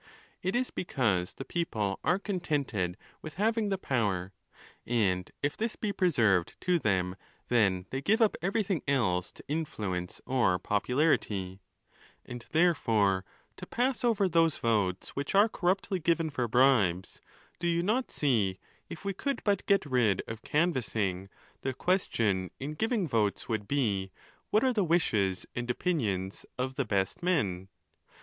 It is because the people are contented with having the 'power; and if 'this be preserved to them, then they give up everything else to influence or popularity. And, therefore, 'to pass over those votes which are corruptly given for bribes, o z eS ea tiokiwtiticas ih G28 xa, A>: » ON THE LAWS. ATO do you not see if we could but get rid of canvassing, the ques tion in giving votes would be, what are the wishes i opinions of the best men?